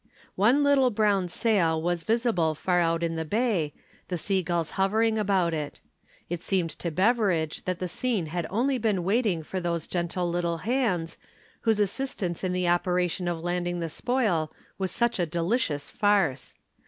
One little brown sail was visible far out in the bay, the sea gulls hovering about it. It seemed to Beveridge that the scene had only been waiting for those gentle little hands, whose assistance in the operation of landing the spoil was such a delicious farce.